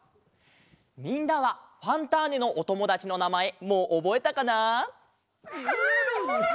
みんなは「ファンターネ！」のおともだちのなまえもうおぼえたかな？